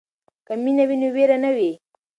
که مینه وي نو وېره نه وي.